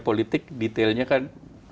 politik detailnya kan